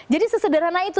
jadi sesederhana itu